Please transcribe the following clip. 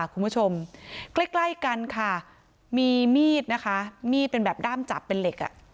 คุณผู้ชมใกล้กันค่ะมีมีดนะคะมีดเป็นแบบด้ามจับเป็นเหล็ก